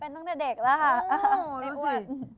เป็นตั้งแต่เด็กแล้วค่ะไม่อ้วน